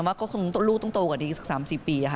ว่าก็คงลูกต้องโตกว่านี้อีกสัก๓๔ปีค่ะ